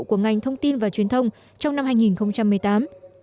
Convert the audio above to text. của ngành thông tin và truyền thông trong năm hai nghìn một mươi tám